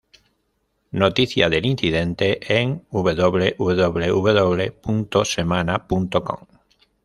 Noticia del incidente en www.semana.com